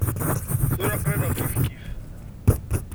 Tura aql-aneɣ kifkif.